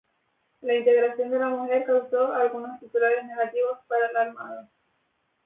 La integración de la mujer causó algunos titulares negativos para la Armada.